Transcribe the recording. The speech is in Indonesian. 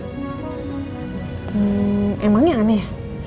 hmm emangnya aneh ya